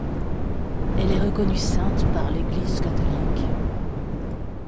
Elle est reconnue sainte par l'Église catholique.